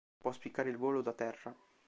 Può spiccare il volo da terra.